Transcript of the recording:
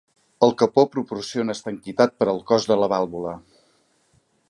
El capó proporciona estanquitat per al cos de la vàlvula.